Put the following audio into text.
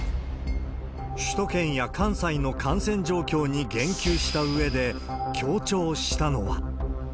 首都圏や関西の感染状況に言及したうえで、強調したのは。